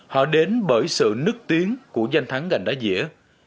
họ đến bởi sự nức tiếng của danh thắng gành đá dĩa